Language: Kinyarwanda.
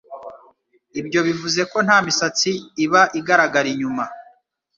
Ibyo bivuze ko nta misatsi iba igaragara inyuma